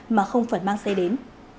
mà không phải mang xe đến